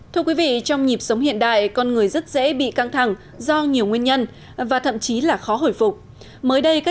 thưa quý vị trong nhịp sống hiện đại con người rất dễ bị căng thẳng do nhiều nguyên nhân và thậm chí là khó hồi phục